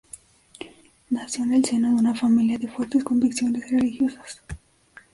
Nació en el seno de una familia de fuertes convicciones religiosas.